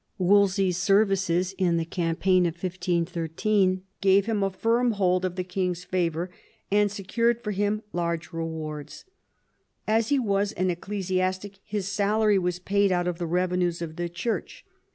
Wolsey's services in the campaign of 1513 gave him a firm hold of the king's favour, and secured for him large rewards. As he was an ecclesiastic his salary was paid out of the revenues of the Church.